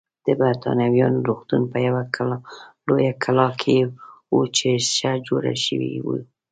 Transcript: د بریتانویانو روغتون په یوه لویه کلا کې و چې ښه جوړه شوې وه.